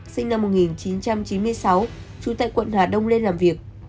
sinh năm một nghìn chín trăm chín mươi sáu trú tại quận hà đông lên làm việc